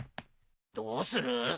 どうする？